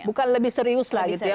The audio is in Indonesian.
bukan lebih serius lah gitu ya